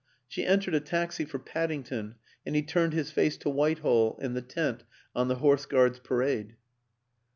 She entered a taxi for Paddington and he turned his face to Whitehall and the tent on the Horse Guards Parade.